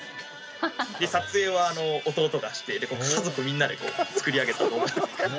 で撮影は弟がしていて家族みんなで作り上げた動画。